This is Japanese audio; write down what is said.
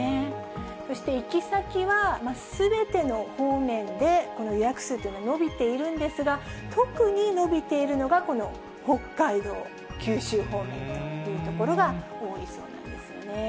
そして行き先は、すべての方面で、この予約数というのは伸びているんですが、特に伸びているのが、この北海道、九州方面という所が多いそうなんですよね。